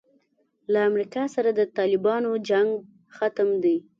له امریکا سره د طالبانو جنګ ختم دی.